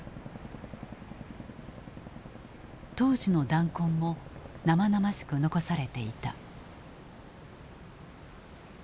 当時の弾痕も生々しく残されていた。